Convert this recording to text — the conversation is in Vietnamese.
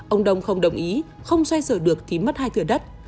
ông đông không đồng ý không xoay sở được thì mất hai thửa đất